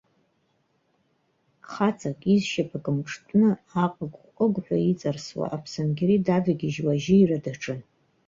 Хаҵак, изшьапык мҿтәны, аҟыгә-ҟыгәҳәа иҵарсуа, аԥсангьери давагьежьуа ажьира даҿын.